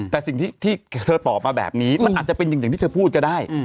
แต่สิ่งที่เธอตอบมาแบบนี้มันอาจจะเป็นอย่างที่เธอพูดก็ได้